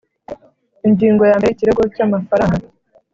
Ingingo ya mbere Ikirego cy amafaranga